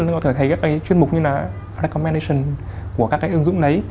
mọi người có thể thấy các cái chuyên mục như là recommendation của các cái ứng dụng đấy